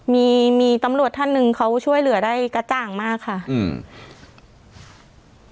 มีมีตำรวจท่านหนึ่งเขาช่วยเหลือได้กระจ่างมากค่ะอืม